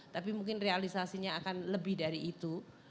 tapi mungkin realisasinya akan lebih dari itu